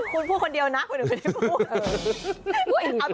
คุณพูดคนเดียวนะคนอื่นไม่ได้พูด